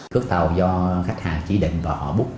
cước tàu do khách hàng chỉ định và họ bút